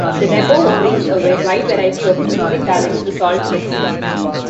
The Depot brings a wide variety of musical talent to Salt Lake City.